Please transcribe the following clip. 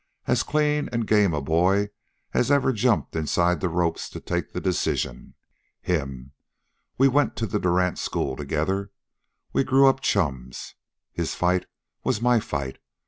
As clean an' game a boy as ever jumped inside the ropes to take the decision. Him! We went to the Durant School together. We grew up chums. His fight was my fight.